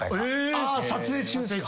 あ撮影中ですか？